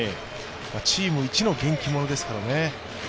チーム一の元気者ですからね。